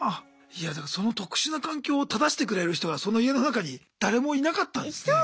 いやだからその特殊な環境を正してくれる人がその家の中に誰もいなかったんですね。